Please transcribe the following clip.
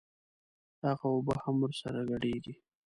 هغه اوبه هم ورسره ګډېږي.